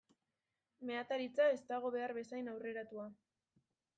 Meatzaritza ez dago behar bezain aurreratua.